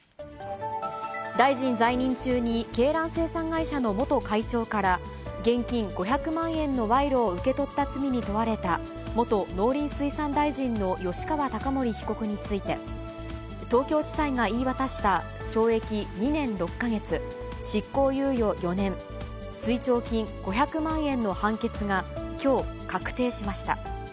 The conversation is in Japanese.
大臣在任中に、鶏卵生産会社の元会長から、現金５００万円の賄賂を受け取った罪に問われた、元農林水産大臣の吉川貴盛被告について、東京地裁が言い渡した、懲役２年６か月、執行猶予４年、追徴金５００万円の判決がきょう確定しました。